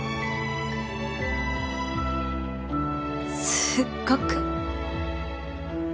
すっごく。